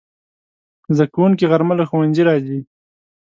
زدهکوونکي غرمه له ښوونځي راځي